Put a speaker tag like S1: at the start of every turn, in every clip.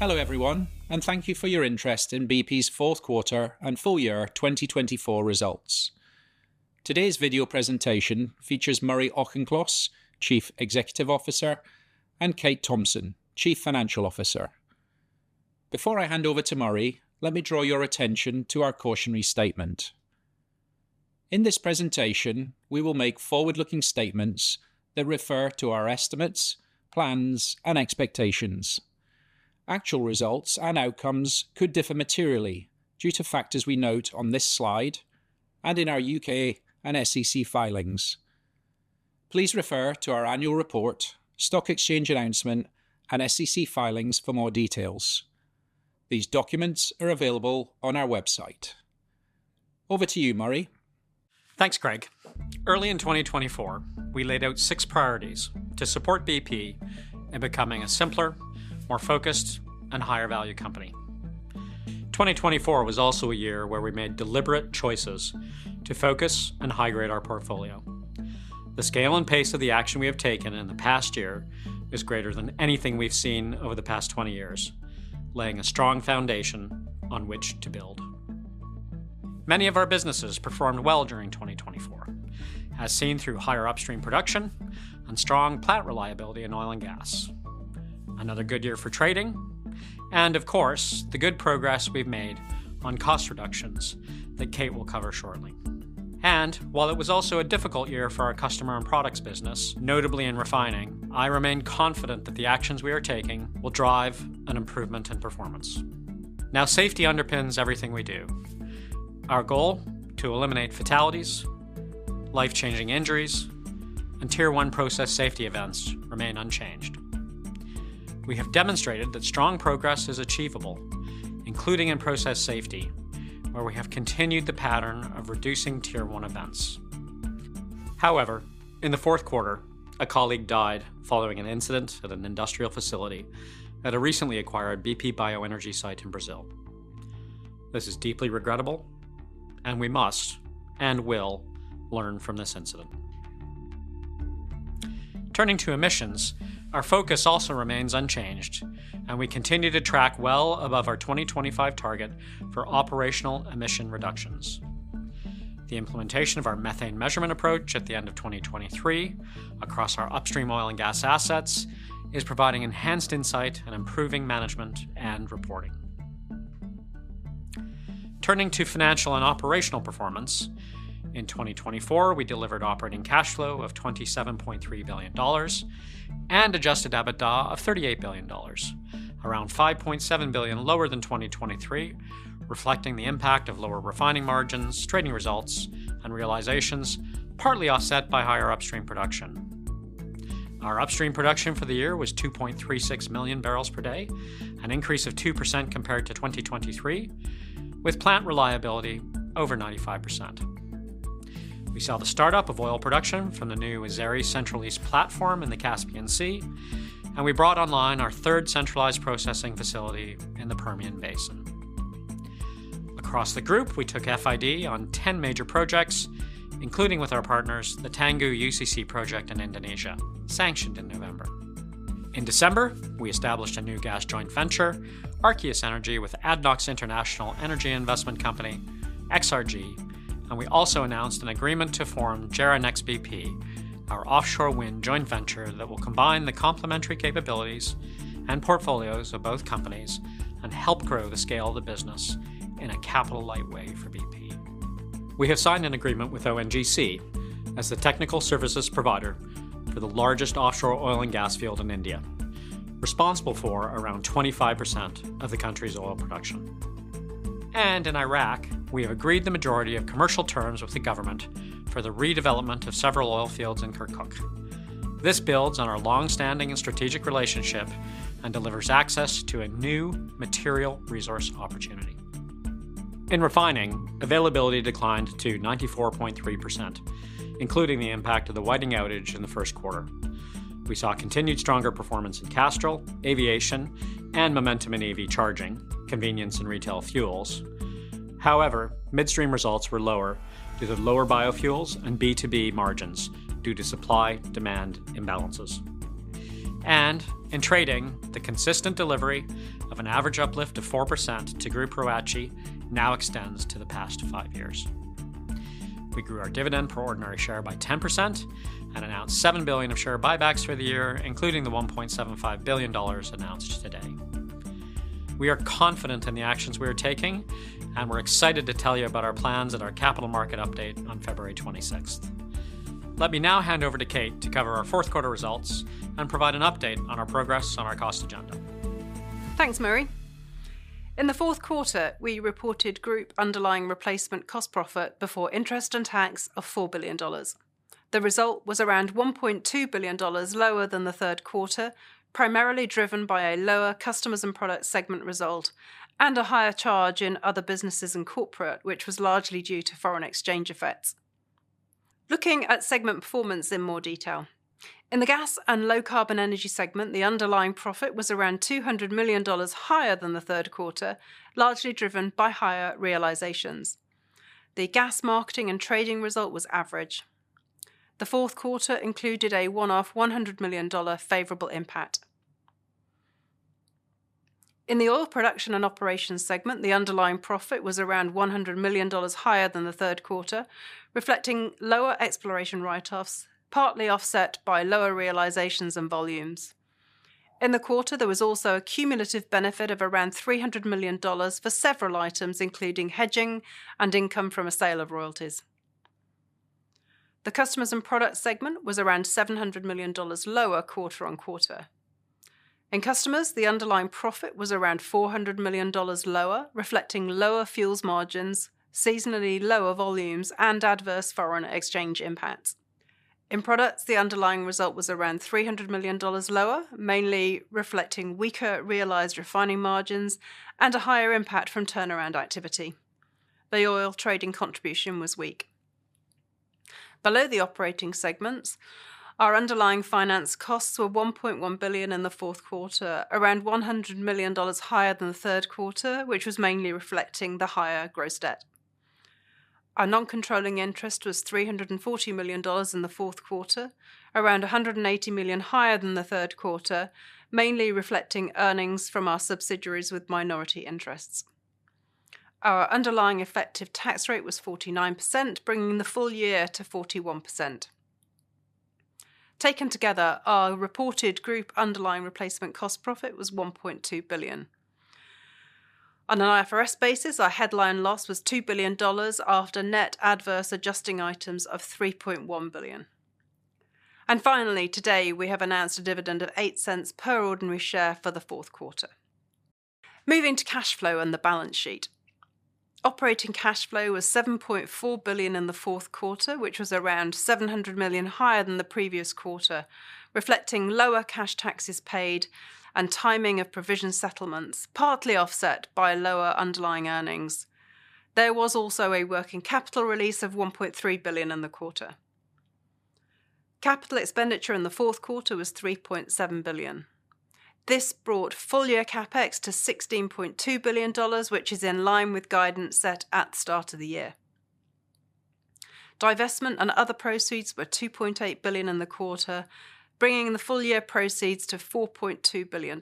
S1: Hello everyone, and thank you for your interest in bp's fourth quarter and full year 2024 results. Today's video presentation features Murray Auchincloss, Chief Executive Officer, and Kate Thomson, Chief Financial Officer. Before I hand over to Murray, let me draw your attention to our cautionary statement. In this presentation, we will make forward-looking statements that refer to our estimates, plans, and expectations. Actual results and outcomes could differ materially due to factors we note on this slide and in our U.K. and SEC filings. Please refer to our annual report, stock exchange announcement, and SEC filings for more details. These documents are available on our website. Over to you, Murray.
S2: Thanks, Craig. Early in 2024, we laid out six priorities to support bp in becoming a simpler, more focused, and higher value company. 2024 was also a year where we made deliberate choices to focus and highlight our portfolio. The scale and pace of the action we have taken in the past year is greater than anything we've seen over the past 20 years, laying a strong foundation on which to build. Many of our businesses performed well during 2024, as seen through higher upstream production and strong plant reliability in oil and gas. Another good year for trading, and of course, the good progress we've made on cost reductions that Kate will cover shortly, and while it was also a difficult year for our customer and products business, notably in refining, I remain confident that the actions we are taking will drive an improvement in performance. Now, safety underpins everything we do. Our goal to eliminate fatalities, life-changing injuries, and Tier 1 process safety events remains unchanged. We have demonstrated that strong progress is achievable, including in process safety, where we have continued the pattern of reducing Tier 1 events. However, in the fourth quarter, a colleague died following an incident at an industrial facility at a recently acquired bp Bioenergy site in Brazil. This is deeply regrettable, and we must and will learn from this incident. Turning to emissions, our focus also remains unchanged, and we continue to track well above our 2025 target for operational emission reductions. The implementation of our methane measurement approach at the end of 2023 across our upstream oil and gas assets is providing enhanced insight and improving management and reporting. Turning to financial and operational performance, in 2024, we delivered operating cash flow of $27.3 billion and adjusted EBITDA of $38 billion, around $5.7 billion lower than 2023, reflecting the impact of lower refining margins, trading results, and realizations partly offset by higher upstream production. Our upstream production for the year was 2.36 million barrels per day, an increase of 2% compared to 2023, with plant reliability over 95%. We saw the startup of oil production from the new Azeri Central East platform in the Caspian Sea, and we brought online our third centralized processing facility in the Permian Basin. Across the group, we took FID on 10 major projects, including with our partners, the Tangguh UCC project in Indonesia, sanctioned in November. In December, we established a new gas joint venture, Arcius Energy, with ADNOC International Energy Investment Company, XRG, and we also announced an agreement to form JERA Nex bp, our offshore wind joint venture that will combine the complementary capabilities and portfolios of both companies and help grow the scale of the business in a capital-light way for bp. We have signed an agreement with ONGC as the technical services provider for the largest offshore oil and gas field in India, responsible for around 25% of the country's oil production. In Iraq, we have agreed the majority of commercial terms with the government for the redevelopment of several oil fields in Kirkuk. This builds on our longstanding and strategic relationship and delivers access to a new material resource opportunity. In refining, availability declined to 94.3%, including the impact of the Whiting outage in the first quarter. We saw continued stronger performance in Castrol, aviation, and momentum in EV charging, convenience, and retail fuels. However, midstream results were lower due to lower biofuels and B2B margins due to supply-demand imbalances. And in trading, the consistent delivery of an average uplift of 4% to Group ROACE now extends to the past five years. We grew our dividend per ordinary share by 10% and announced $7 billion of share buybacks for the year, including the $1.75 billion announced today. We are confident in the actions we are taking, and we're excited to tell you about our plans and our Capital Markets Update on February 26th. Let me now hand over to Kate to cover our fourth quarter results and provide an update on our progress on our cost agenda.
S3: Thanks, Murray. In the fourth quarter, we reported group underlying replacement cost profit before interest and tax of $4 billion. The result was around $1.2 billion lower than the third quarter, primarily driven by a lower Customers & Product segment result and a higher charge in other businesses and corporate, which was largely due to foreign exchange effects. Looking at segment performance in more detail, in the Gas & Low Carbon Energy segment, the underlying profit was around $200 million higher than the third quarter, largely driven by higher realizations. The gas marketing and trading result was average. The fourth quarter included a one-off $100 million favorable impact. In the Oil Production & Operations segment, the underlying profit was around $100 million higher than the third quarter, reflecting lower exploration write-offs, partly offset by lower realizations and volumes. In the quarter, there was also a cumulative benefit of around $300 million for several items, including hedging and income from a sale of royalties. The Customers & Products segment was around $700 million lower quarter on quarter. In customers, the underlying profit was around $400 million lower, reflecting lower fuels margins, seasonally lower volumes, and adverse foreign exchange impacts. In products, the underlying result was around $300 million lower, mainly reflecting weaker realized refining margins and a higher impact from turnaround activity. The oil trading contribution was weak. Below the operating segments, our underlying finance costs were $1.1 billion in the fourth quarter, around $100 million higher than the third quarter, which was mainly reflecting the higher gross debt. Our non-controlling interest was $340 million in the fourth quarter, around $180 million higher than the third quarter, mainly reflecting earnings from our subsidiaries with minority interests. Our underlying effective tax rate was 49%, bringing the full year to 41%. Taken together, our reported group underlying replacement cost profit was $1.2 billion. On an IFRS basis, our headline loss was $2 billion after net adverse adjusting items of $3.1 billion. And finally, today, we have announced a dividend of $0.08 per ordinary share for the fourth quarter. Moving to cash flow and the balance sheet. Operating cash flow was $7.4 billion in the fourth quarter, which was around $700 million higher than the previous quarter, reflecting lower cash taxes paid and timing of provision settlements, partly offset by lower underlying earnings. There was also a working capital release of $1.3 billion in the quarter. Capital expenditure in the fourth quarter was $3.7 billion. This brought full year CapEx to $16.2 billion, which is in line with guidance set at the start of the year. Divestment and other proceeds were $2.8 billion in the quarter, bringing the full year proceeds to $4.2 billion.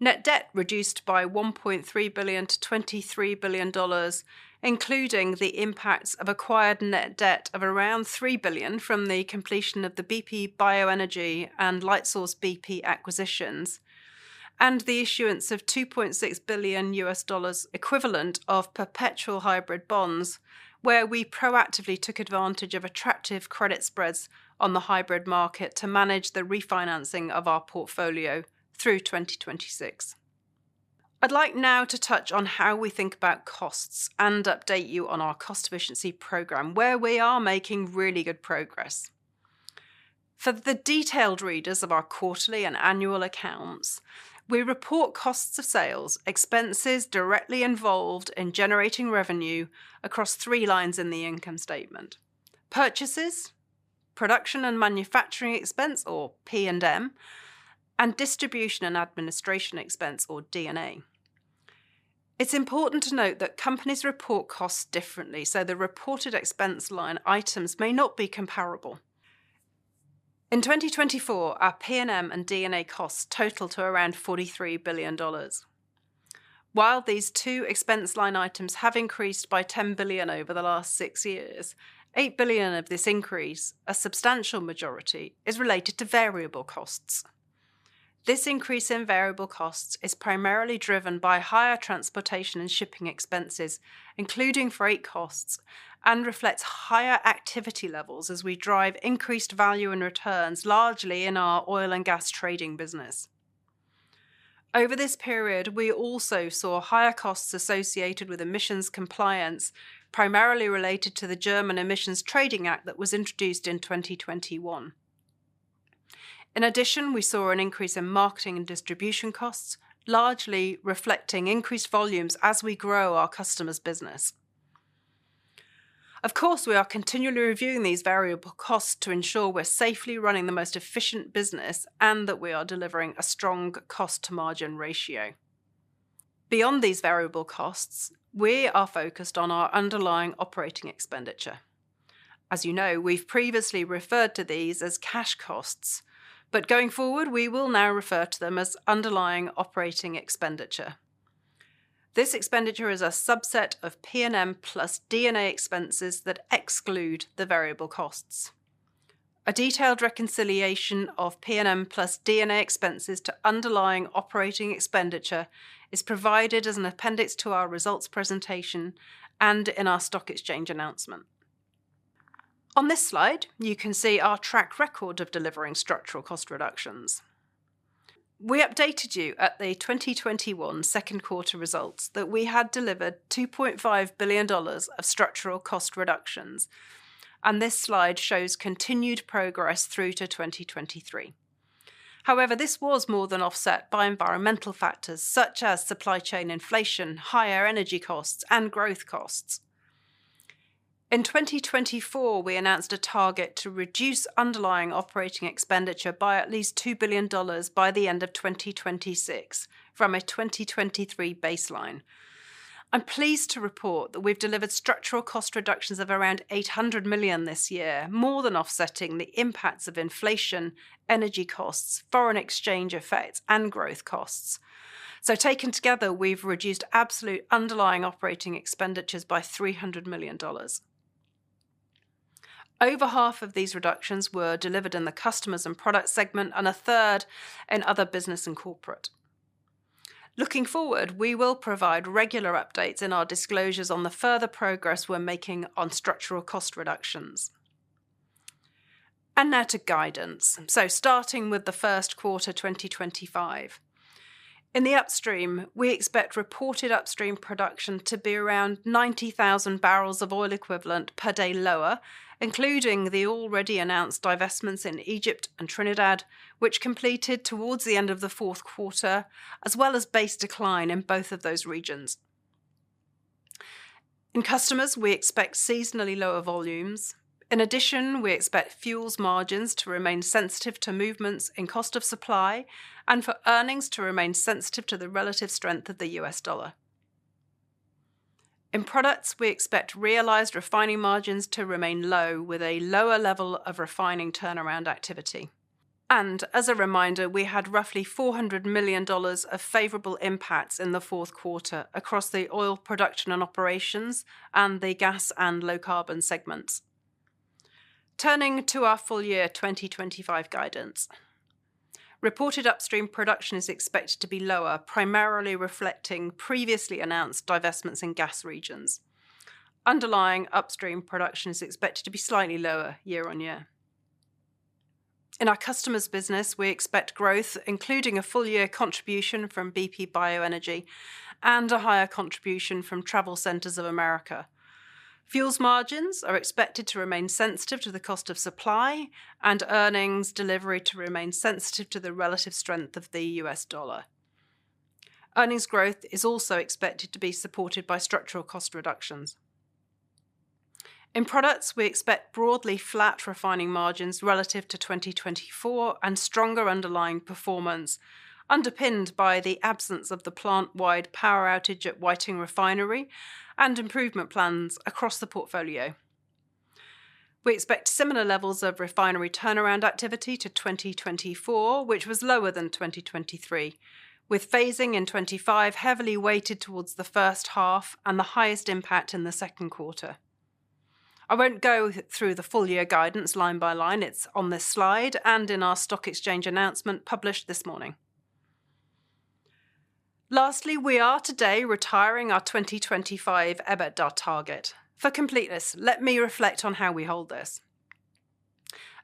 S3: Net debt reduced by $1.3 billion to $23 billion, including the impacts of acquired net debt of around $3 billion from the completion of the bp Bioenergy and Lightsource bp acquisitions and the issuance of $2.6 billion USD equivalent of perpetual hybrid bonds, where we proactively took advantage of attractive credit spreads on the hybrid market to manage the refinancing of our portfolio through 2026. I'd like now to touch on how we think about costs and update you on our cost efficiency program, where we are making really good progress. For the detailed readers of our quarterly and annual accounts, we report costs of sales, expenses directly involved in generating revenue across three lines in the income statement: purchases, production and manufacturing expense, or P&M, and distribution and administration expense, or D&A. It's important to note that companies report costs differently, so the reported expense line items may not be comparable. In 2024, our P&M and D&A costs totaled to around $43 billion. While these two expense line items have increased by $10 billion over the last six years, $8 billion of this increase, a substantial majority, is related to variable costs. This increase in variable costs is primarily driven by higher transportation and shipping expenses, including freight costs, and reflects higher activity levels as we drive increased value and returns, largely in our oil and gas trading business. Over this period, we also saw higher costs associated with emissions compliance, primarily related to the German Emissions Trading Act that was introduced in 2021. In addition, we saw an increase in marketing and distribution costs, largely reflecting increased volumes as we grow our customers' business. Of course, we are continually reviewing these variable costs to ensure we're safely running the most efficient business and that we are delivering a strong cost-to-margin ratio. Beyond these variable costs, we are focused on our underlying operating expenditure. As you know, we've previously referred to these as cash costs, but going forward, we will now refer to them as underlying operating expenditure. This expenditure is a subset of P&M plus D&A expenses that exclude the variable costs. A detailed reconciliation of P&M plus D&A expenses to underlying operating expenditure is provided as an appendix to our results presentation and in our stock exchange announcement. On this slide, you can see our track record of delivering structural cost reductions. We updated you at the 2021 second quarter results that we had delivered $2.5 billion of structural cost reductions, and this slide shows continued progress through to 2023. However, this was more than offset by environmental factors such as supply chain inflation, higher energy costs, and growth costs. In 2024, we announced a target to reduce underlying operating expenditure by at least $2 billion by the end of 2026 from a 2023 baseline. I'm pleased to report that we've delivered structural cost reductions of around $800 million this year, more than offsetting the impacts of inflation, energy costs, foreign exchange effects, and growth costs. Taken together, we've reduced absolute underlying operating expenditures by $300 million. Over half of these reductions were delivered in the customers and product segment, and a third in other business and corporate. Looking forward, we will provide regular updates in our disclosures on the further progress we're making on structural cost reductions. And now to guidance. So starting with the first quarter 2025. In the upstream, we expect reported upstream production to be around 90,000 barrels of oil equivalent per day lower, including the already announced divestments in Egypt and Trinidad, which completed towards the end of the fourth quarter, as well as base decline in both of those regions. In customers, we expect seasonally lower volumes. In addition, we expect fuels margins to remain sensitive to movements in cost of supply and for earnings to remain sensitive to the relative strength of the U.S. dollar. In products, we expect realized refining margins to remain low with a lower level of refining turnaround activity, and as a reminder, we had roughly $400 million of favorable impacts in the fourth quarter across the oil production and operations and the gas and low carbon segments. Turning to our full year 2025 guidance, reported upstream production is expected to be lower, primarily reflecting previously announced divestments in gas regions. Underlying upstream production is expected to be slightly lower year on year. In our customers' business, we expect growth, including a full year contribution from bp Bioenergy and a higher contribution from TravelCenters of America. Fuels margins are expected to remain sensitive to the cost of supply and earnings delivery to remain sensitive to the relative strength of the U.S. dollar. Earnings growth is also expected to be supported by structural cost reductions. In products, we expect broadly flat refining margins relative to 2024 and stronger underlying performance, underpinned by the absence of the plant-wide power outage at Whiting refinery and improvement plans across the portfolio. We expect similar levels of refinery turnaround activity to 2024, which was lower than 2023, with phasing in 2025 heavily weighted towards the first half and the highest impact in the second quarter. I won't go through the full year guidance line by line. It's on this slide and in our stock exchange announcement published this morning. Lastly, we are today retiring our 2025 EBITDA target. For completeness, let me reflect on how we hold this.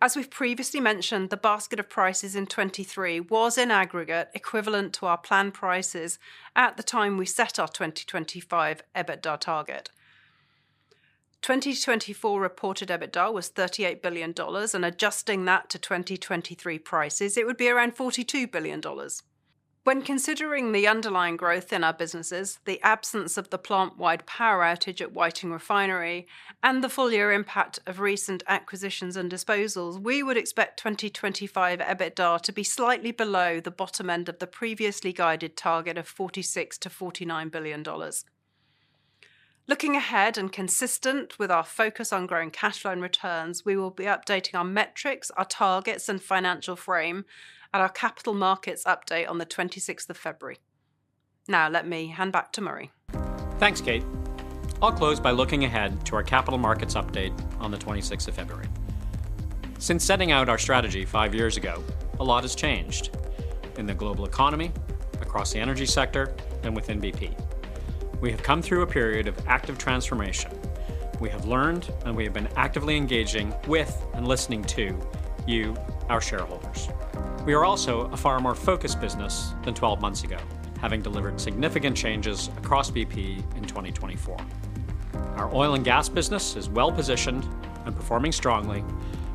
S3: As we've previously mentioned, the basket of prices in 2023 was in aggregate equivalent to our planned prices at the time we set our 2025 EBITDA target. 2024 reported EBITDA was $38 billion, and adjusting that to 2023 prices, it would be around $42 billion. When considering the underlying growth in our businesses, the absence of the plant-wide power outage at Whiting refinery and the full year impact of recent acquisitions and disposals, we would expect 2025 EBITDA to be slightly below the bottom end of the previously guided target of $46-$49 billion. Looking ahead and consistent with our focus on growing cash line returns, we will be updating our metrics, our targets, and financial frame at our capital markets update on the 26th of February. Now, let me hand back to Murray.
S2: Thanks, Kate. I'll close by looking ahead to our capital markets update on the 26th of February. Since setting out our strategy five years ago, a lot has changed in the global economy, across the energy sector, and within bp. We have come through a period of active transformation. We have learned, and we have been actively engaging with and listening to you, our shareholders. We are also a far more focused business than 12 months ago, having delivered significant changes across bp in 2024. Our oil and gas business is well positioned and performing strongly,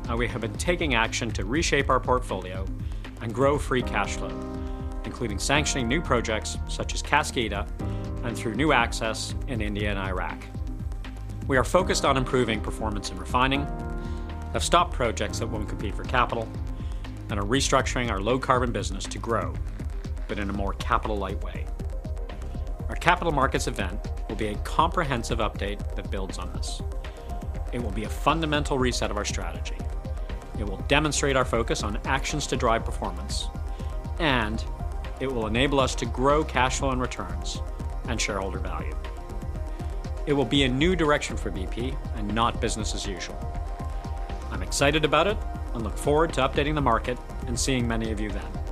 S2: and we have been taking action to reshape our portfolio and grow free cash flow, including sanctioning new projects such as Kaskida and through new access in India and Iraq. We are focused on improving performance in refining, have stopped projects that won't compete for capital, and are restructuring our low carbon business to grow, but in a more capital-light way. Our capital markets event will be a comprehensive update that builds on this. It will be a fundamental reset of our strategy. It will demonstrate our focus on actions to drive performance, and it will enable us to grow cash flow and returns and shareholder value. It will be a new direction for bp and not business as usual. I'm excited about it and look forward to updating the market and seeing many of you then.